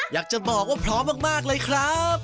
อยากจะบอกว่าพร้อมมากเลยครับ